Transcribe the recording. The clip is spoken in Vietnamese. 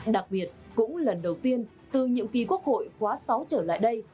đặc biệt cũng lần đầu tiên từ nhiệm kỳ quốc hội khóa sáu trở lại đây